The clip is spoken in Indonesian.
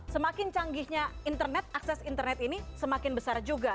semakin canggihnya internet akses internet ini semakin besar juga